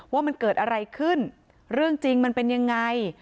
ว่ามันเกิดอะไรขึ้นเรื่องจริงมันเป็นยังไง